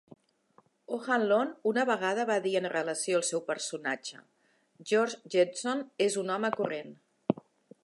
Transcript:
O'Hanlon una vegada va dir en relació al seu personatge: George Jetson és un home corrent.